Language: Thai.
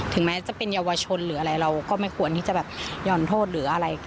แม้จะเป็นเยาวชนหรืออะไรเราก็ไม่ควรที่จะแบบหย่อนโทษหรืออะไร